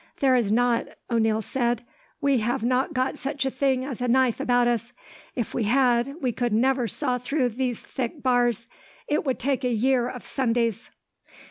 "There is not," O'Neil said. "We have not got such a thing as a knife about us. If we had, we could never saw through these thick bars; it would take a year of Sundays."